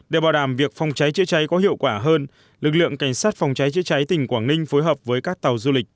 để bảo đảm việc phòng cháy chữa cháy có hiệu quả hơn lực lượng cảnh sát phòng cháy chữa cháy tỉnh quảng ninh phối hợp với các tàu du lịch